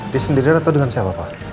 diri sendirian atau dengan siapa pak